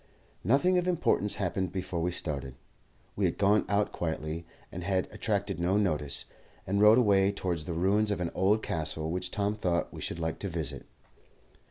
Nothing of importance happened before we started. We had gone out quietly, and had attracted no notice, and rode away towards the ruins of an old castle which Tom thought we should like to visit.